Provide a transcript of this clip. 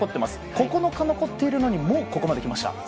９日残っているのにもうここまで来ました。